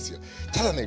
ただね